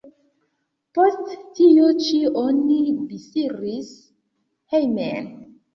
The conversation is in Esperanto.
Post tio ĉi oni disiris hejmen.